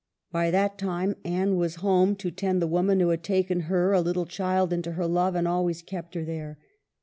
By that time Anne was home to tend the woman who had taken her, a little child, into her love and always kept her there.